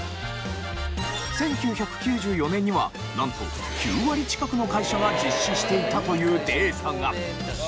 １９９４年にはなんと９割近くの会社が実施していたというデータが。